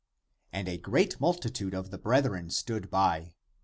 <And a great multitude of the brethren stood by.>